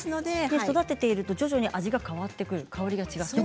育てていると、徐々に味が変わってくる香りが変わってくる。